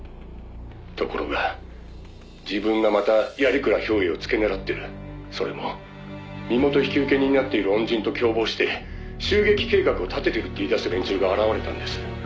「ところが自分がまた鑓鞍兵衛を付け狙ってるそれも身元引受人になっている恩人と共謀して襲撃計画を立ててるって言い出す連中が現れたんです」